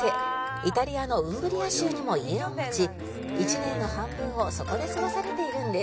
イタリアのウンブリア州にも家を持ち１年の半分をそこで過ごされているんです